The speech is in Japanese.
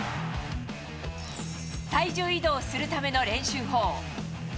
体重移動するための練習法。